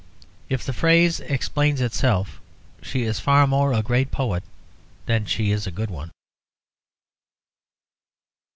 If the phrase explain itself, she is far more a great poet than she is a good one.